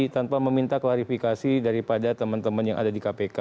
tanpa meminta klarifikasi daripada teman teman yang ada di kpk